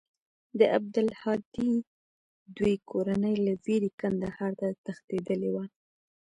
د عبدالهادي دوى کورنۍ له وېرې کندهار ته تښتېدلې وه.